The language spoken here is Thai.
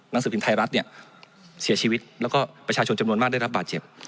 หนังสือพิมพ์ไทยรัฐเนี่ยเสียชีวิตแล้วก็ประชาชนจำนวนมากได้รับบาดเจ็บ